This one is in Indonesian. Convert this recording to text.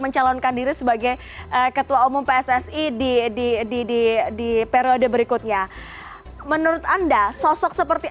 mencalonkan diri sebagai ketua umum pssi di di periode berikutnya menurut anda sosok seperti